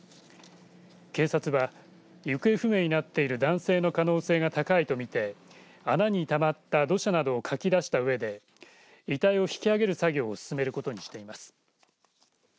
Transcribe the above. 警察は行方不明になっている男性の可能性が高いと見て穴にたまった土砂などをかき出したうえで遺体を引き上げる作業を進めることにしています。